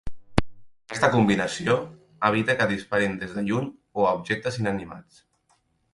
Aquesta combinació evita que disparin des de lluny o a objectes inanimats.